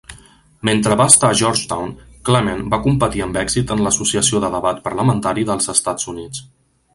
Mentre va estar a Georgetown, Clement va competir amb èxit en l'Associació de debat parlamentari dels Estats Units.